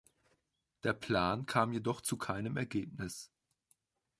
Der Plan kam jedoch zu keinem Ergebnis.